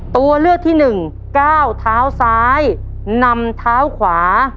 ตัวเลือกที่หนึ่งก้าวเท้าซ้ายนำเท้าขวา